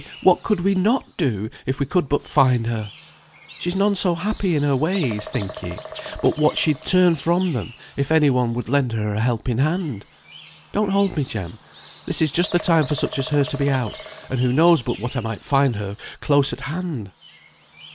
Why! what could we not do, if we could but find her? She's none so happy in her ways, think ye, but what she'd turn from them, if any one would lend her a helping hand. Don't hold me, Jem; this is just the time for such as her to be out, and who knows but what I might find her close at hand."